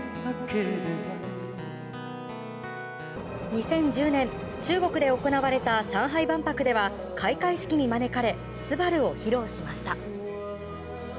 ２０１０年中国で行われた上海万博では開会式に招かれ「昴」を披露しました。